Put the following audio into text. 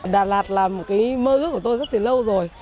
đà lạt là một mơ ước của tôi rất lâu rồi